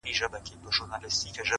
دا ده کوچي ځوانيمرگې نجلۍ تول دی؛